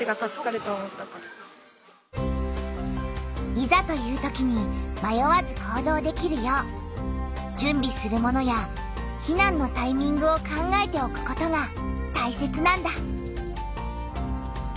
いざというときにまよわず行動できるよう準備するものや避難のタイミングを考えておくことがたいせつなんだ。